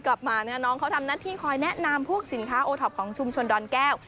กลับมาน้องเขาทำหน้าที่คอยแนะนำพวกสินค้าโอท็อปของชุมชนดอนแก้ว